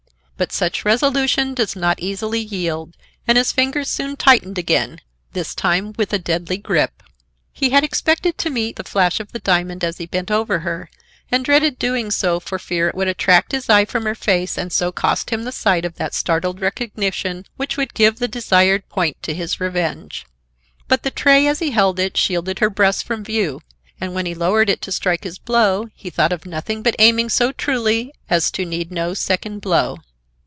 But such resolution does not easily yield, and his fingers soon tightened again, this time with a deadly grip. He had expected to meet the flash of the diamond as he bent over her, and dreaded doing so for fear it would attract his eye from her face and so cost him the sight of that startled recognition which would give the desired point to his revenge. But the tray, as he held it, shielded her breast from view, and when he lowered it to strike his blow, he thought of nothing but aiming so truly as to need no second blow.